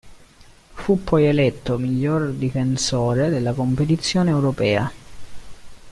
Fu poi eletto miglior difensore della competizione europea.